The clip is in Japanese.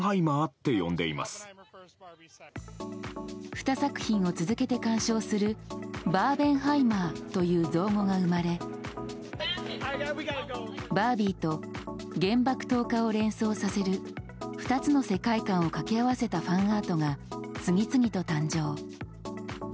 ２作品を続けて鑑賞するバーベンハイマーという造語が生まれ「バービー」と原爆投下を連想させる２つの世界観をかけ合わせたファンアートが次々と誕生。